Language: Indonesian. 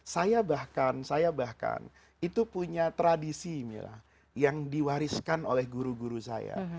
saya bahkan itu punya tradisi yang diwariskan oleh guru guru saya